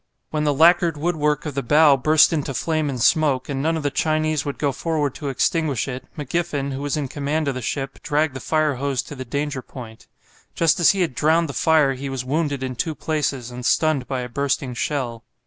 When the lacquered woodwork of the bow burst into flame and smoke, and none of the Chinese would go forward to extinguish it, McGiffen, who was in command of the ship, dragged the fire hose to the danger point. Just as he had drowned the fire he was wounded in two places and stunned by a bursting shell.